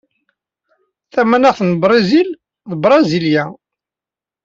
Tamaneɣt n Brizil d Brasilia.